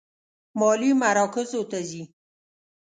مالي مراکزو ته ځي.